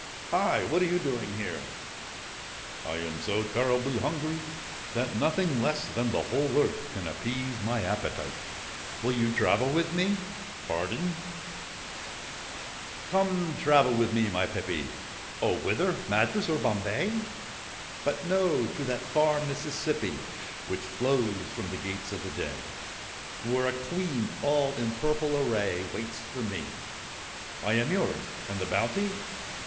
' Hi I What are you doing there ?'' I am so terribly hungry that nothing less than the whole earth can appease my appetite.' ' Will you travel with me ?' 26 THE QUEEN OF THE MISSISSIPPI ' Pardon ?'* Come, travel with me, my pippy.' ' Oh ! Whither ? Madras or Bombay ?'' But no ; to that far Mississippi, Which flows from the gates of the day ; Where a Queen all in purple array Waits for me ''/ am yours / And the bounty